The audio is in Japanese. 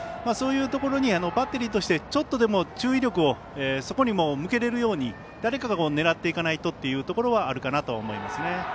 そういうところにバッテリーとしてちょっとでも注意力をそこにも向けられるように誰かが狙っていかないとというところはあるかなと思います。